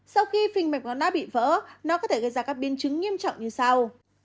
sau khi phình mạch máu não bị vỡ nó có thể gây ra các biên chứng nghiêm trọng như sau